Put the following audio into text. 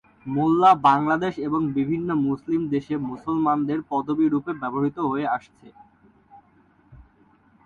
মোল্লা বাংলাদেশ এবং বিভিন্ন মুসলিম দেশে মুসলমানদের পদবী রুপে ব্যবহৃত হয়ে আসছে।